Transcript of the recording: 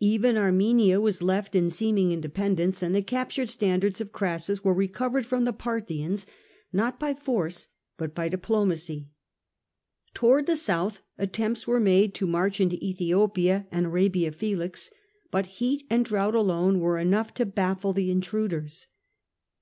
Even Armenia was left in seeming independence, and the captured standards of Crassus were recovered from the Parthians not by force but by diplomacy. Towards the south attempts were made to march into ^Ethiopia and Arabia Felix, but heat and drought alone were enough to baffle the intruders.